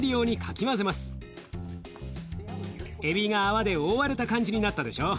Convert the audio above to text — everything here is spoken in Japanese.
エビが泡で覆われた感じになったでしょ？